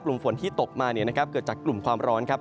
ฝนที่ตกมาเกิดจากกลุ่มความร้อนครับ